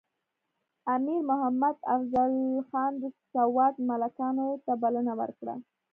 امیر محمد افضل خان د سوات ملکانو ته بلنه ورکړه.